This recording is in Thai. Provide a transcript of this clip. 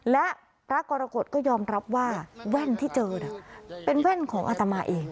และพระกรกฎก็ยอมรับว่าแว่นที่เจอเป็นแว่นของอาตมาเอง